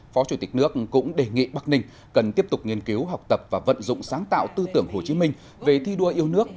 phó chủ tịch nước cũng đề nghị bắc ninh cần tiếp tục nghiên cứu học tập và vận dụng sáng tạo tư tưởng hồ chí minh về thi đua yêu nước